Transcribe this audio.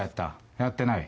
やってない？